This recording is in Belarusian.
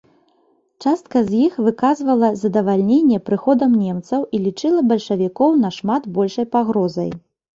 Частка з іх выказвала задавальненне прыходам немцаў і лічыла бальшавікоў нашмат большай пагрозай.